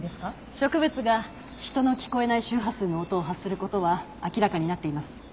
植物が人の聞こえない周波数の音を発する事は明らかになっています。